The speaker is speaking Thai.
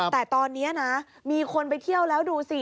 แต่ตอนนี้นะมีคนไปเที่ยวแล้วดูสิ